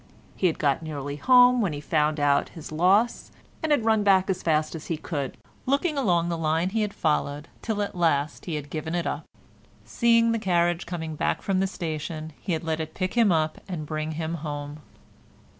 He had got nearly home when he found out his loss, and had run back as fast as he could, looking along the line he had followed, till at last he had given it up; seeing the carriage coming back from the station, he had let it pick him up and bring him home.